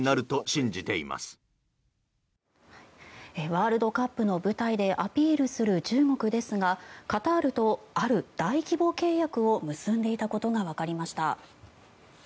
ワールドカップの舞台でアピールする中国ですがカタールとある大規模契約を結んでいたことがわかりました。